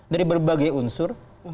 dari berbagai unsur